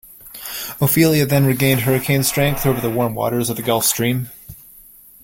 Ophelia then regained hurricane strength over the warm waters of the Gulf Stream.